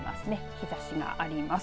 日ざしがあります。